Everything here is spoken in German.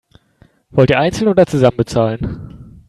Wollt ihr einzeln oder zusammen bezahlen?